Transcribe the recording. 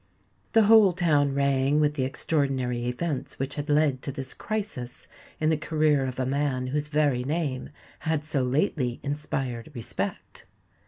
The whole town rang with the extraordinary events which had led to this crisis in the career of a man whose very name had so lately inspired respect.